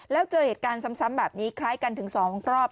แล้วเจอเหตุการณ์ซ้ำแบบนี้คล้ายกันถึง๒รอบ